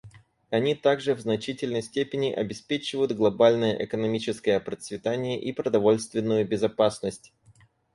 Они также в значительной степени обеспечивают глобальное экономическое процветание и продовольственную безопасность.